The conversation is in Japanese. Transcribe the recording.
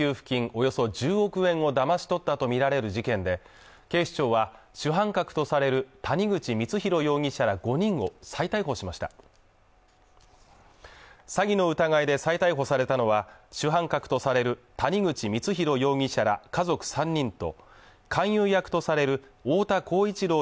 およそ１０億円をだまし取ったと見られる事件で警視庁は主犯格とされる谷口光弘容疑者ら５人を再逮捕しました詐欺の疑いで再逮捕されたのは主犯格とされる谷口光弘容疑者ら家族３人と勧誘役とされる太田浩一朗